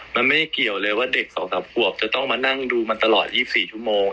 มันไม่เกี่ยวเลยว่าเด็ก๒๓ขวบจะต้องมานั่งดูมันตลอด๒๔ชั่วโมง